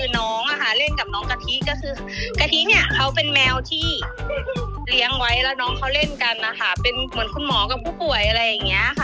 น้องเล่นกับน้องกะทิก็คือกะทิเนี่ยเขาเป็นแมวที่เลี้ยงไว้แล้วน้องเขาเล่นกันนะคะเป็นเหมือนคุณหมอกับผู้ป่วยอะไรอย่างนี้ค่ะ